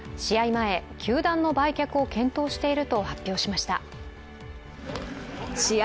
前、球団の売却を検討していると発表しました試合